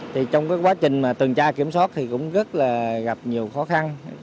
trong quá trình tường tra kiểm soát thì cũng rất là gặp nhiều khó khăn